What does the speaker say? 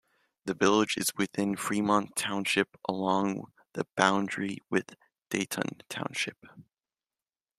The village is within Fremont Township along the boundary with Dayton Township.